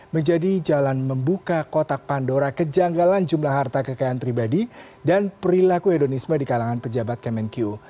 menjadi jalan membuka kotak pandora kejanggalan jumlah harta kekayaan pribadi dan perilaku edonisme di kalangan pejabat kemenku